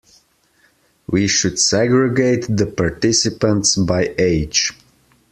We should segregate the participants by age.